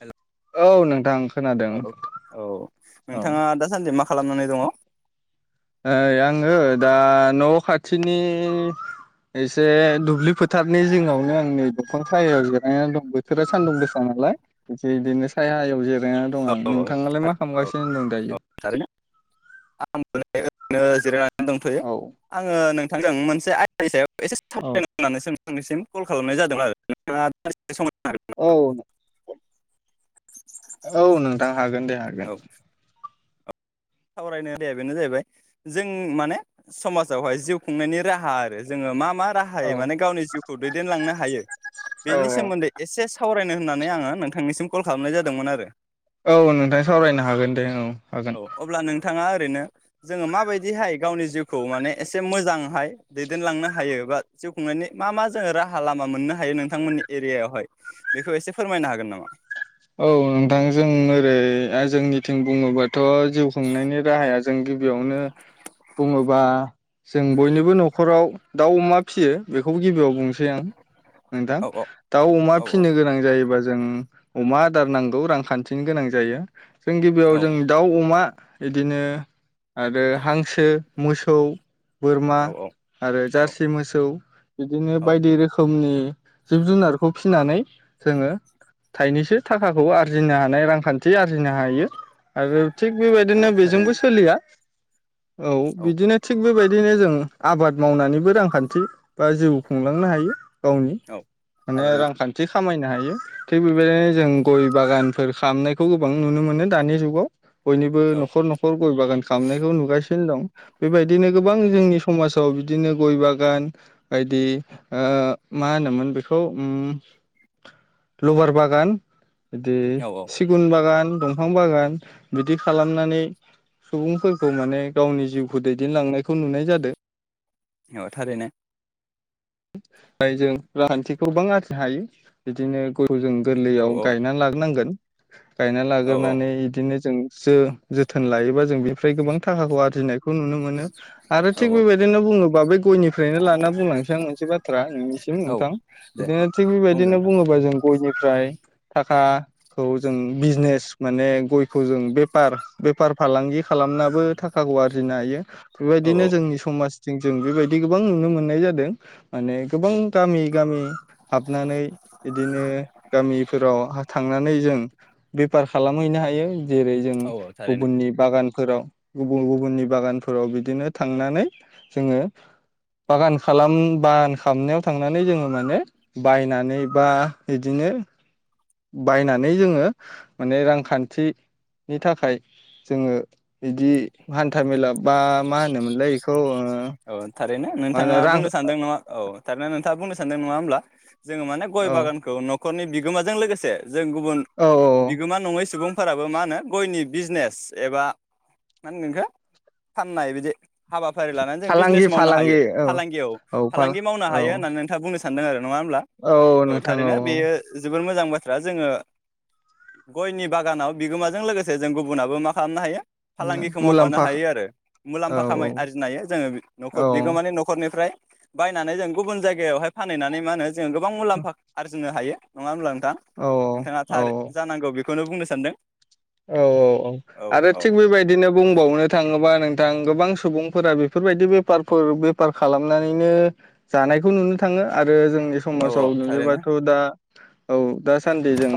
हेल' औ नोंथां खोनादों औ औ औ। नोंथाङा दासान्दि मा खालामनानै दङ। ओ आङो दा न' खाथिनि एसे दुब्लि फोथारनि जिङावनो आंनि दंफां सायायाव जिरायनानै दं बोथोरा सान्दुं गोसा नालाय एसे बिदिनो सायायाव जिराय ना दं आं औ नोंथाङालाय मा औ खालामगासिनो दं दायो? आङो जिरायनानै दंथ'यो औ आङो नों नोंथांजों मोनसे आयदानि सायाव एसे औ सावरायनो होननानै सों आंनिसिम कल खालामनाय जादों आरो नोंथाङा सम होनो हागोन नामा? औ औ नोंथां हागोन दे हागोन। सावरायनाय आयदाया बेनो जाहैबाय जों माने समाजावहाय जिउ खुंनायनि राहा आरो जोङो मा मा औ राहायै माने गावनि जिउखौ दैदेनलांनो हायो औ बेनि सोमोन्दै एसे सावराय नो होननानै आङो नोंथांनिसिम कल खालामनाय जादोंमोन आरो। औ नोंथां सावरायनो हागोन दे औ। हागोन औ अब्ला नोंथाङा ओरैनो जोङो माबायदिहाय गावनि जिउखौ माने एसे मोजांहाय दैदेनलांनो हायो बा जिउ खुंनायनि मा मा जोङो राहा लामा मोननो हायो नोंथांमोननि एरियायावहाय बेखौ एसे फोरमायनो हागोन नामा? औ नोंथां जों ओरै जोंनिथिं बुङोबाथ' जिउ खुंनायनि राहाया जों गिबियावनो बुङोबा जों बयनिबो न'खराव दाउ अमा फिसियो बेखौबो गिबियाव बुंनोसै आं नोंथां औ औ दाउ अमा औ फिसिनो गोनां जायोबा जों अमा आदार नांगौ रांखान्थिनि गोनां जायो। जों औ गिबियाव जों दाउ अमा बिदिनो आरो हांसो मोसौ बोरमा औ आरो औ जारसि मोसौ बिदिनो औ बायदि रोखोमनि जिब जुनारखौ फिसिनानै जोङो थाइनैसो थाखाखौ आरजिनो हानाय रांखान्थि आरजिनो हायो आरो। थिग औ बेबायदिनो थारैनो बेजोंबो सोलिया औ बिदिनो थिग बेबायदि बिदिनो जों आबाद मावनानैबो रांखान्थि बा जिउ खुंलांनो हायो। गावनि औ माने थारैनो रांखान्थि खामायनो हायो। हायो थिग बेबायदिनो जों गय बागानफोर खामनायखौ गोबां नुनो मोनो दानि जुगाव बयनिबो औ न'खर न'खर गय बागान खामनायखौबो नुगासिनो दं बेबायदिनो गोबां जोंनि समाज जाव बिदिनो गय बागान बायदि ओ मा होनोमोन बेखौ उम लबार बागान बिदि औ सिगुन बागान दंफां बागान बिदि खालामनानै सुबुंफोरखौ माने गावनि जिउखौ दैदेनलांनायखौ नुनाय जादो औ थारैनो ओमफ्राय जों रांखान्थिखौ गोबां आरजिनो हायो बिदिनो गय- खौ जों औ गोरलैयाव औ गायनानै लाग्रोनांगोन [inaudible] गायना औ लागोरनानै इदिनो जों जो जोथोन लायोबा जों बेनिफ्राय गोबां थाखाखौ आरजिनाय- खौ नुनो मोनो आरो औ थिग बेबायदिनो बुङोबा बे गयनिफ्रायनो लाना बुंलांनोसै आं मोनसे बाथ्रा नोंनिसिम औ नोंथां दे बिदिनो थिग बुंदों बेबायदिनो नोंथां बुङोबा जों गयनि- फ्राय थाखाखौ जों बिजनेस माने गयखौ जों बेफार बेफार फालांगि खालामनाबो थाखाखौ आरजिनो हायो। औ बेबायदिनो औ जोंनि समाज जों जों बेबायदि गोबां नुनो मोननाय जादों माने गोबां औ गामि गामि हाबनानै बिदिनो गामिफोराव हा थांनानै जों बेफार खालामहैनो हायो जेरै जों औ औ थारैनो गुबुननि बागान फोराव गुबन गुबुननि बागानफोराव बिदिनो थांनानै जोङो बागान खालाम बागान खालामनायाव थांनानै जोङो माने बायनानै बा इदिनो बायनानै जोङो माने रांखानथिनि थाखाय जोङो इदि हानथा मेला बा मा होनोमोनलाय इखौ औ थर ऐनो नोंथाङा बुंनो सानदों नङा औ थार नोंथ आ बुंनो सानदों नङा होमब्ला जोङो माने गय औ बागानखौ नख रनि बिगोमाजों लोगोसे जों गुबुन औ औ बिगोमा नङै सुबुं फोराबो मा होनो गयनि बिजनेस एबा मा होनगोन इखो फाननाय बिदि हाब बाफारि लानानै फालांगि बिजनेस मावनो हायो फालांगि औ फालांगियाव औ फालांगि मावनो औ हायो होननानै नोंथाङा बुंनो सा सानदों आरो नङा होनब्ला औ थारैनो बेयो जोबोद मो मोजां बाथ्रा जोङो गयनि बागानाव बिगोमाजों लोगोसे जों गुबुनाबो मा खालामनो हायो औ फालांगिखौ मावफानो मुलाम्फा हायो आरो औ मुलामफा खामाय आरजिनो हायो जोङो औ बिगोमानि नखरनि फ्राय बायनानै जों गुबुन जायगायावहाय फानहैनानै मा होनो जों गोबां औ मुलामफा आरजि नो हायो नङा होनब्ला औ नोंथाङा थरै जानांगौ बे खौनो बुंनो सानदों औ औ औ आरो थिग बेबायदिनो बुंबावनो थाङोबा नोंथां गोबां सुबुंफोरा बेफोरबायदि बेफारफोर बेफार खालामनानैनो जानायखौ नुनो थाङो आरो जों नि औ औ समाजाव थारैनो नुयोबाथ दा औ दासान्दि जों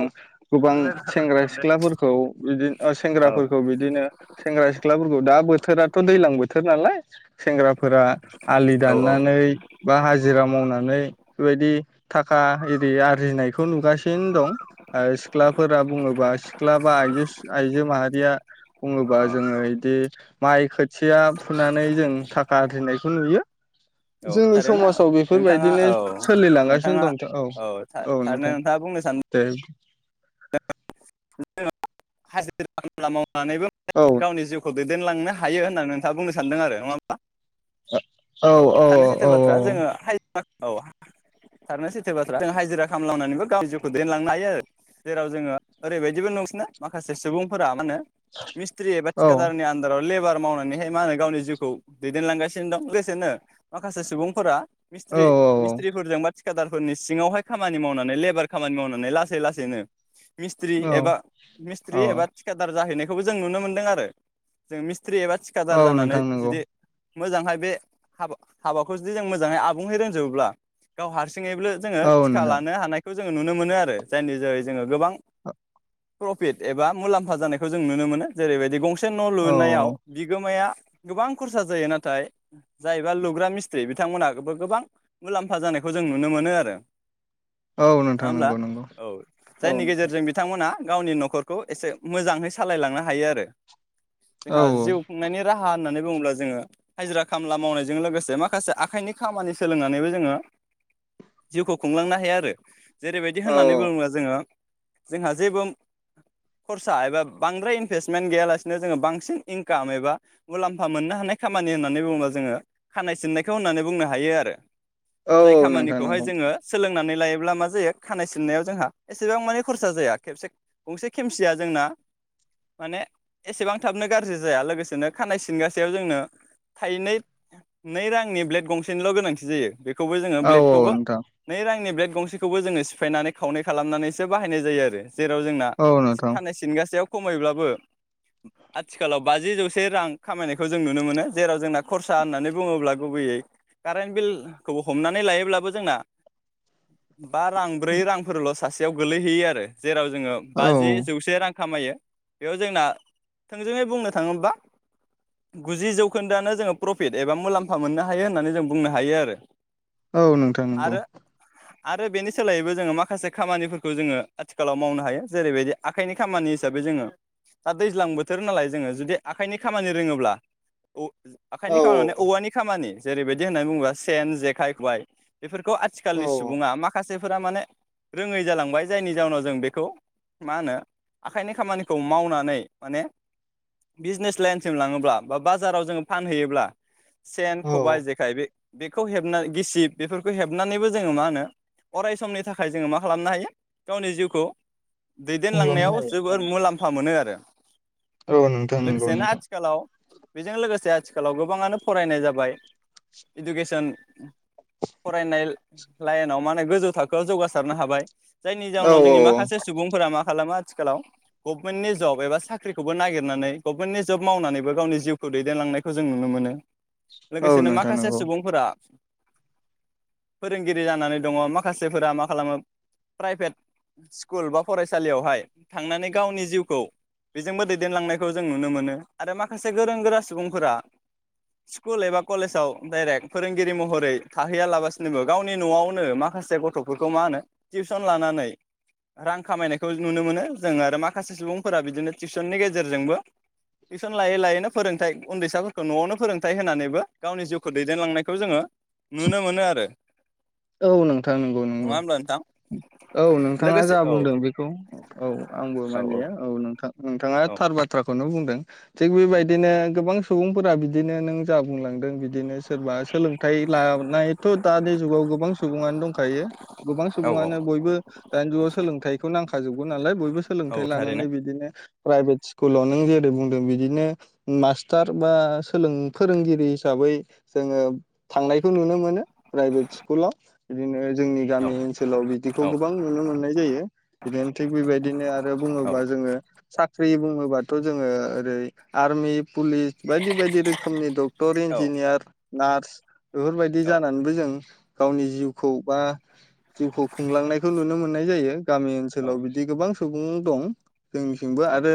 गोबां सेंग्रा सिख्लाफोरखौ बिदि ओ औ सेंग्राफोरखौ बिदिनो सेंग्रा सिख्लाफोरखौ दा बोथोराथ दैज्लां बोथोर नालाय सेंग्राफोरा आलि औ दाननानै बा हाजिरा मावनानै बेफोरबायदि थाखा इरि आरजिनायखौ नुगासिनो दं आ सिख्लाफोरा बुङोबा सिख्ला बा आइजो आयजो मारिया बुङोबा औ जोङो इदि माइ खोथिया फुनानै जों थाखा आरजिनायखौ नुयो औ जोंनि थारैनो समाजाव नोंथाङा बेफोरबायदिनो औ सोलिलांगासिनो नोंथाङा दं नोंथां औ औ थारैनो नोंथां नोंथाङा बुंनो दे [inaudible] [inaudible] सानैबो औ गावनि जिउखौ दैदेनलांनो हायो होननानै नोंथाङा बुंनो सानदों आरो नङा होमबा औ थानायानो सैथो बाथ्रा जोङो औ थारनो सैथो बाथ्रा जों हाजिरा खालामलांनानैबो गावनि जिउखौ दैेनलांनो हायो आरो जेराव जोङो ओरैबायदिबो नोंसना माखासे सुबुंफोरा मा होनो मिस्त्रि एबा औ थिकादारनि आन्दाराव लेबार मावनानैहाय मा होनो गावनि जिउखौ दैदेनलांगासिनो दं लोगोसेनो माखासे सुबुंफोरा औ मिस्थ्रि मिस्थ्रिफोरजोंबा थिखादारफोरनि सिङावहाय खामानि मावनानै लेबार खामानि मावनानै लासै लासैनो मिस्ट्रि औ एबा औ मिस्ट्रि एबा थिखादार जाहैनाय खौबो जों नुनो मोनदों आरो जों मिस सथ्रि एबा औ थिखादार जानानै नोंथां नंगौ जुदि मोजांहाय बे हाबा हाबाखौ जुदि जों मोजांहै आबुंडै़ रोंजोबोब्ला गाव हारसिं यैबो जोंओ औ थिका नोंथां लानो हानाय खौ जोङो नुनो मोनो आरो जायनि जेरै जोङो गोबां प्रफिट एबा मुलाम्फा जानायखौ जों नुनो मोनो जेरैबायदि गंसे न' औ लुनायाव बिगोमाया गोबां खरसा जायो नाथाय जायबा लुग्रा मिस्थ्रि बिथांमोनाबो गोबां मुलाम्फा जानायखौ जों नुनो मोनो आरो औ नङा नोंथां होमब्ला नंगौ नंगौ औ औ जायनि नोंथां गेजेरजों बिथांमोना गावनि न'खरखौ एसे मोजाङै सालायलांनो हायो आरो औ जोंहा जिउ खुंनायनि राहा होननानै बुङोब्ला जोङो हाजिरा खामला मावनायजों लोगोसे माखासे आखाइनि खामानि सोलोंनानैबो जोङो जिउखौ खुंलांनो हायो आरो जेरैबायदि औ होननानै बुङोब्ला जोङो जोंहा जेबो खरसा एबा बांद्राय इनभेस्टमेन्ट गैयालासिनो जोङो बांसिन इनकाम एबा मुलाम्फा मोननो हानाय खामानि होननानै बुङोबा जोङो खानाय सिननायखौ होननानै बुंनो हायो आरो औ जाय नोंथां खामानिखौहाय नंगौ जोङो सोलों नानै लायोब्ला मा जायो खानाय सिननायाव जोंहा एसेबां माने खरसा जाया खबसे गंसे खेमसिया जोंना माने एसेबां थाबनो गाज्रि जाया लोगोसेनो खानाय सिनगासेयाव जोंनो थाइनै नै रांनि ब्लेड गंसेनिल' गोनांथि जायो बे खौबो जोंड औ औ बेलेदखौबो नोंथां नै रांनि बेलेद गंसेखौबो जोङो सिफायनानै खावनै खालामनानैसो बाहायनाय जायो आरो जेराव जोंना औ नोंथां खानाय सिनगाासेयाव खमैब्लाबो आथिखालाव बाजि जौसे रां खामायनायखौ जों नुनो मोनो जेराव जोंना खरसा होननानै बुङोब्ला गुबैयै कारेन्ट बिलखौबो हमनानै लायोब्लाबो जोंना बा रां ब्रै रांफोरल' सासेयाव गोलैहैयो आरो जेराव जोङो औ बाजि जौसे रां खामायो बेयाव जोंना थोंजोङै बुंनो थाङोब्ला गुजि जौखोन्दोआनो जोङो प्रफिट एबा मुलाम्फा मोननो हायो होननानै जों बुंनो हायो आरो औ नोंथां नंगौ आरो आरो बेनि सोलायैबो जोङो माखासे खामानिफोर खौ जोङो आथिखालाव मावनो हायो जेरैबायदि आखाइनि खामानि हिसाबै जोङो दा दैज्लां बोथोर नालाय जोङो जुदि आखाइनि खामानि रोङोब्ला औ औ आखाइनि खामानि माने औवानि खामानि जेरैबायदि होननानै बुङोबा सेन जेखाय खबाय बेफोरखौ औ आथिखालनि सुबुङा माखासे फोरा माने रोङै जालांबाय जायनि जाउनाव जों बेखौ मा होनो आखाइनि खामानिखौ मावनानै माने बिजनेस लाइनसिम लाङोब्ला बा बाजाराव जोङो फानहैयोब्ला सेन औ खबाइ जेखाय बे बेखौ हेबना गिसिब बेफोरखौ हेबनानैबो जोङो मा होनो अराय समनि थाखाय जोङो मा खालामनो हायो गावनि जिउखौ खुंलांनो दैदेनलांनायाव हायो जोबोर मुलाम्फा मोनो आरो। औ नोंथां नंगौ लोगोसेनो नोंथां आथिखालाव बेजों लोगोसे आथिखालाव गोबाङानो फरायनाय जाबाय इडुकेसन फरायनाय लाइनाव माने गोजौ थाखोआव जौगासारनो हाबा बाय जायनि औ जाहनाव जोंनि माखासे सुबुंफोरा मा खालामो आथिखालाव गभमेन्टनि जब एबा साख्रिखौबो नागिरनानै गभमेन्टनि जब मावनानैबो गावनि जिउखौ दैदेनलांनायखौ जों नुनो मोनो। औ लोगोसेनो नोंथां माखासे नंगौ सुबुंफोरा फोरोंगिरि जानानै दङ माखासेफोरा मा खालामो? प्राइभेट स्कुल बा फरायसालियावहाय थांनानै गावनि जिउखौ बेजोंबो दैदेनलांनायखौ जों नुनो मोनो आरो माखासे गोरों गोरा सुबुंफोरा स्कुल एबा कलेजाव डाइरेक्ट फोरोंगिरि महरै थाहैयालाबासिनोबो गावनि न'आवनो माखासे गथ'फोरखौ मा होनो टिउसन लानानै रां खामायनायखौ नुनो मोनो जोंङो आरो माखासे सुबुंफोरा बिदिनो टिउसननि गेजेरजोंबो टिउसन लायै लायैनो फोरोंथाइ उन्दैसाफोरखौ न'आवनो फोरोंथाइ होनानैबो गावनि जिउखौ दैदेनलांनायखौ जोङो नुनो मोनो आरो। औ नोंथां नंगौ नङा नंगौ होमब्ला नोंथां औ नोंथाङा लोगोसे जा औ बुंदों बेखौ औ आंबो मानिया औ नोंथां नोंथाङा औ थार बाथ्राखौनो बुं दों थिग बेबायदिनो गोबां सुबुंफोरा बिदिनो नों जा बुंलांदों बिदिनो सोरबा सोलोंथाइ लानायथ' दानि गोबां सुबुङानो दंखायो गोबां औ सुबुङानो बयबो दानि जुगाव सोलोंथाइखौ नांखाजोबगौ नालाय बयबो औ सोलोंथाइ थारैनो लानानै बिदिनो प्राइभेट स्कुलाव नों जेरै बुंदों बिदिनो मास्टार बा सोलों फोरोंगिरि हिसाबै जोङो थांनायखौ नुनो मोनो। प्राइभेटस कुलाव इदिनो जोंनि औ गामि ओनसोलाव बिदिखौ औ गोबां नुनो मोननाय जायो बिदिनो थिग बेबायदिनो आरो औ बुङोबा जोङो साख्रि बुङोबाथ' जोङो ओरै आरमि पुलिस बायदि बायदि रोखोमनि डक्टर इन्जिनियार नार्स बेफोरबायदि औ जानानैबो जों गावनि जिउखौ बा जिउखौ खुंलांनायखौ नुनो मोननाय जायो गामि ओनसोलाव बिदि गोबां सुबुं दं जोंनिथिंबो आरो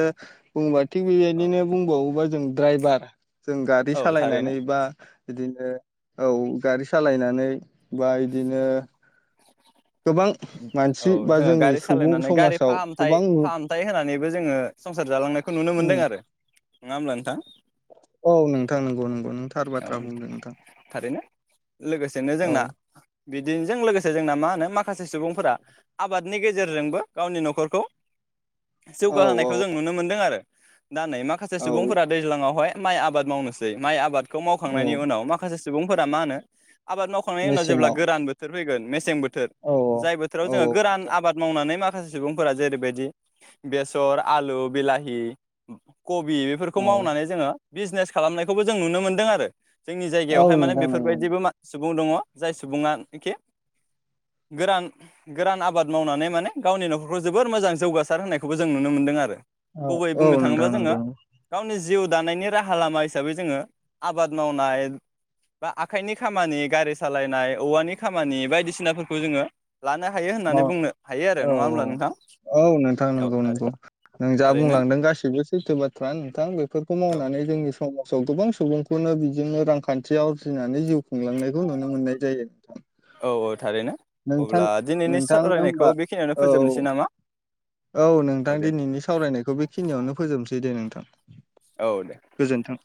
बुङोबा थिग बेबायदिनो बुंबावोबा जों जों द्राइभार जों गारि औ थारैनो सालायनानै बा बिदिनो औ गारि सालायनानै बा इदिनो औ बा जोङो जोंनि गारि सुबुं सालायनानै गारि समाजाव फाहामथाय गोबां नु फाहामथाय होनानैबो जोङो संसार जालांनायखौ नुनो उम मोनदों आरो नङा ओमबा नोंथां औ नोंथां नंगौ नंगौ नों थार औ बाथ्रा बुंदों नोंथां थारैनो औ बिदिनजों लोगोसे जोंना मा होनो माख खासे सुबुंफोरा आबादनि गेजेरजोंबो गावनि न'खरखौ औ औ जौगाहोनायखौ जों नुनो मोनदों आरो दा नै माखासे औ सुबुंफोरा दैज्लाङावहाय माइ आबाद मावनोसै माइ आबाद खौ औ मावखांनायनि उनाव माखासे सुबुंफोरा मा होनो आबाद मावखांनायनि उनाव जेब्ला मेसेङाव गोरान बोथोर फैगोन मेसें बोथ औ जाय बोथोराव औ जोङो गोरान नोंथां आबाद मावनानै मा खासे सुबुंफोरा जेरैबायदि बेसर आलु बिलाहि कबि बेफोरखौ औ मावनानै जोङो बिजनेस खालामनायखौबो जों नुनो मोनदों आरो जोंनि औ जायगायावहाय माने नोंथां नंगौ बेफोरबायदिबो मा सु बुं दङ जाय सुबुङा नोखि गोरान गोरान आबाद मावनानै माने गावनि न'खरखौ जोबोर मोजां जौगासार होनायखौबो जों नुनो मोनदों आरो औ गुबै औ बुंनो थाङोब्ला नोंथां जोङो नंगौ नंगौ गावनि जिउ दानायनि राहा लामा हिसाबै जोङो आबाद मावनाय बा आखाइनि खामानि गारि सालायनाय औवानि खामानि बायदिसिना फोर खौ जोङो लानो हायो [unintelligible] औ होननानै बुंनो हायो आरो औ नङा होमब्ला नोंथां औ नोंथां औ नोंगौ नोंगौ नों जा थारैनो बुंलांदों गासिबो सैथो बाथ्रा नोंथां बेफोरखौ औ मावनानै जोंनि समाजाव गोबां सुबुंखौनो बिजोंनो रांखानथियाव आरजिनानै जिउ खुंलांनायखौ नुनो मोननाय जायो नोंथां औ औ थारै नोंथां अब्ला दिनैनि नोंथां होमबा सावरायनायखौ बेखिनियावनो औ फोजोबनोसै नामा औ नोंथां औ दे दिनैनि सावरायनायखौ बेखिनियावनो फोजोबसै दे नोंथां औ दे [unintelligible] गोजोनथों।